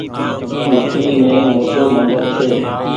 مڪلي مين موٽو مندر ڇي۔